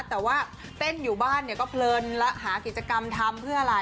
แต่ว่าเต้นอยู่บ้านเนี่ยก็เพลินแล้วหากิจกรรมทำเพื่ออะไร